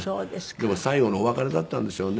でも最後のお別れだったんですよね